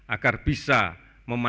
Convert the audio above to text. adalah masalah maksimal